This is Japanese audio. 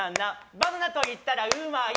バナナといったらうまい。